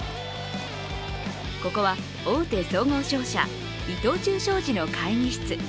ここは、大手総合商社・伊藤忠商事の会議室。